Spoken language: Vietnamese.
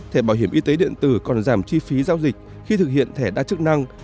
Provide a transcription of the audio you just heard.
thẻ bảo hiểm y tế điện tử còn giảm chi phí giao dịch khi thực hiện thẻ đa chức năng